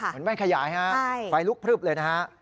เหมือนแว่นขยายฮะไฟลุกพลึบเลยนะฮะ